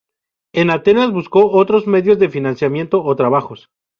En Atenas buscó otros medios de financiamiento o trabajos.